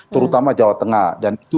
terutama jawa tengah dan itu